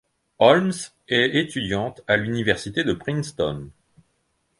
Holmes est étudiante à l'Université de Princeton.